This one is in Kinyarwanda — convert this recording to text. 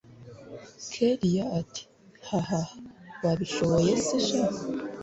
kellia ati hahaha wabishoboye se sha